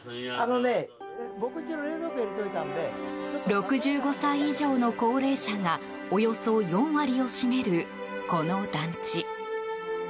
６５歳以上の高齢者がおよそ４割を占めるこの団地。